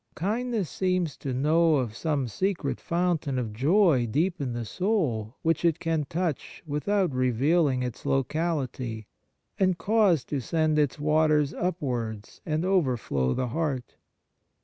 Kindness seems to know of some secret fountain of joy deep in the soul which it can touch without revealing its locality, and cause to send its waters upwards and overflow the heart.